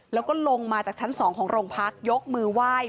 แล้วก็ลงมาจากชั้น๒ของโรงพักยกมือไหว้